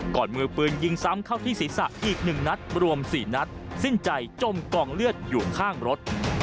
มือปืนยิงซ้ำเข้าที่ศีรษะอีก๑นัดรวม๔นัดสิ้นใจจมกองเลือดอยู่ข้างรถ